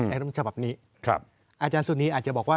ในร่วมฉบับนี้ครับอาจารย์สูตรนี้อาจจะบอกว่า